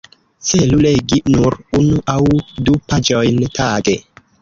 Celu legi nur unu aŭ du paĝojn tage.